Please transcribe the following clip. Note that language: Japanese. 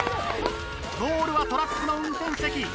ゴールはトラックの運転席。